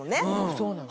そうなの。